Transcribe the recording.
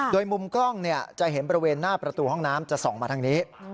โดยมุมกล้องจะเห็นบริเวณหน้าประตูห้องน้ำจะส่องมาทางนี้